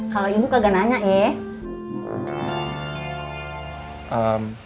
kalau ibu kagak nanya ya